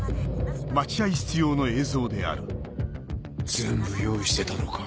全部用意してたのか。